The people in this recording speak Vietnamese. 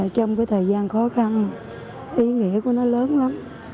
trong cái thời gian khó khăn ý nghĩa của nó lớn lắm